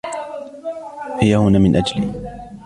هي هنا من أجلي.